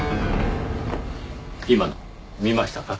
今の見ましたか？